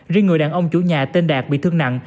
riêng người đàn ông chủ nhà tên đạt bị thương nặng